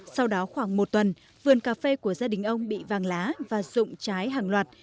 sau đó khoảng một tuần vườn cà phê của gia đình ông bị vàng lá và rụng trái hàng loạt